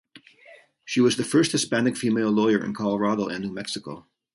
She was the first Hispanic female lawyer in Colorado and New Mexico.